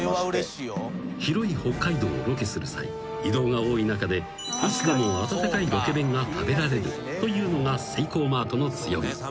［広い北海道をロケする際移動が多い中でいつでも温かいロケ弁が食べられるというのがセイコーマートの強み］